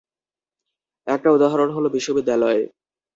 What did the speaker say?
একটা উদাহরণ হল বিশ্ববিদ্যালয়।